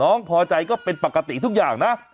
พอใจก็เป็นปกติทุกอย่างนะ